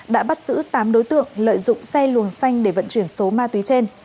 đã bắt giữ tám đối tượng lợi dụng xe luồng xanh để vận chuyển số ma túy trên